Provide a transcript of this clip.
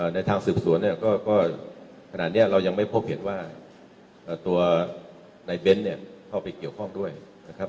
ในทางสืบสวนเนี่ยก็ขนาดนี้เรายังไม่พบเห็นว่าตัวในเบ้นเนี่ยเข้าไปเกี่ยวข้องด้วยนะครับ